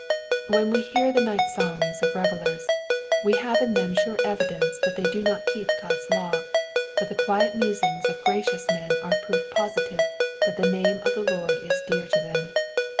When we hear the night songs of revellers we have in them sure evidence that they do not keep God's law ; but the quiet musings of gracious men are proof positive that the name of the Lord is dear to them.